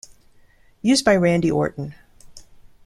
Used by Randy Orton.